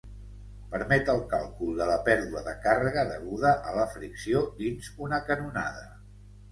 Permet el càlcul de la pèrdua de càrrega deguda a la fricció dins una canonada.